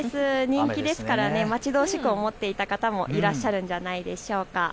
人気ですからね、待ち遠しく思っていた方もいらっしゃるのではないでしょうか。